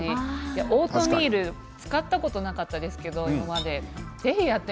オートミールを使ったことなかったですけど、今まで。